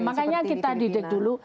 makanya kita didik dulu